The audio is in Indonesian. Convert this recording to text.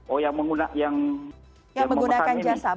oh yang menggunakan jasa ini